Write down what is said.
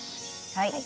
はい。